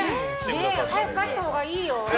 早く帰ったほうがいいよ。